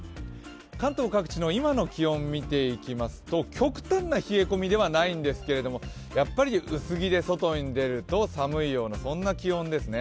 関東各地の今の気温を見ていきますと極端な冷え込みではないんですけどやっぱり薄着で外に出ると寒いような、そんな気温ですね。